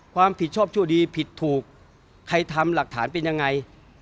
ความผิดชอบชั่วดีผิดถูกใครทำหลักฐานเป็นยังไง